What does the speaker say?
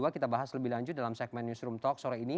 kita bahas lebih lanjut dalam segmen newsroom talk sore ini